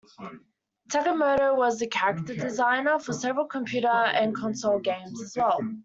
Takemoto was the character designer for several computer and console games as well.